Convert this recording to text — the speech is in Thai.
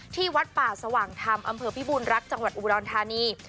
ที่วัดป่าสว่างธรรมอำเภอพิบูรณรักจังหวัดอุดรธานี